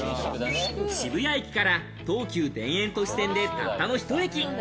渋谷駅から東急田園都市線でたったの１駅。